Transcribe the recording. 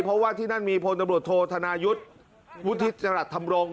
เพราะว่าที่นั่นมีพลตำรวจโทธนายุทธ์วุทิศจังหรัฐทำรง